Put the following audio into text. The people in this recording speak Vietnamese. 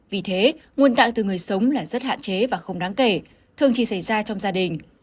vì thế nguồn tạng từ người sống là rất hạn chế và không đáng kể thường chỉ xảy ra trong gia đình